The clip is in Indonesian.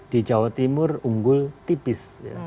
di jawa timur unggul tipis